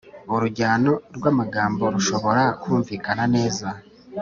urujyano rw’amagambo rushobora kumvikana neza